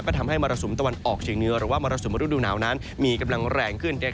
ก็ทำให้มรสุมตะวันออกเฉียงเหนือหรือว่ามรสุมฤดูหนาวนั้นมีกำลังแรงขึ้น